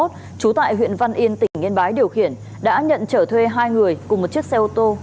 trú tại huyện văn yên tỉnh yên bái điều khiển đã nhận trở thuê hai người cùng một chiếc xe ô tô